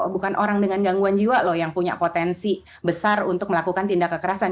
bukan orang dengan gangguan jiwa loh yang punya potensi besar untuk melakukan tindak kekerasan